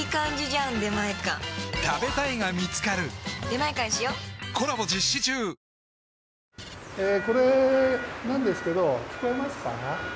三井不動産これなんですけど聞こえますか？